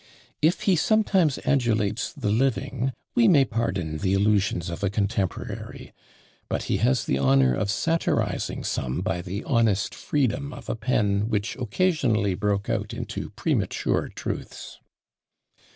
If he sometimes adulates the living, we may pardon the illusions of a contemporary; but he has the honour of satirising some by the honest freedom of a pen which occasionally broke out into premature truths.